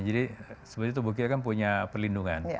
jadi sebetulnya tubuh kita kan punya perlindungan